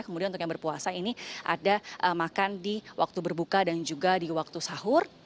kemudian untuk yang berpuasa ini ada makan di waktu berbuka dan juga di waktu sahur